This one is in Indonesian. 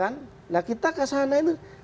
nah kita kesana ini